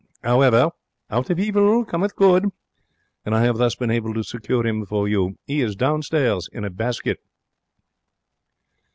'Owever, out of evil cometh good, and I have thus been able to secure 'im for you. 'E is downstairs in a basket!'